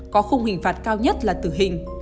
có khung hình phạt cao nhất là tử hình